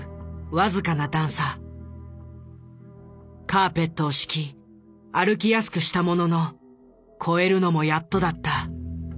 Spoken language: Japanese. カーペットを敷き歩きやすくしたものの越えるのもやっとだった。